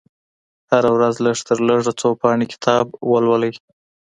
هره ورځ لږترلږه څو پاڼې کتاب ولولئ.